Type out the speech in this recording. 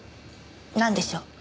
なんでしょう？